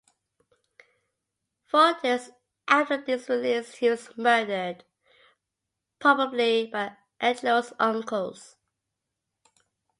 Four days after his release, he was murdered, probably by Angelou's uncles.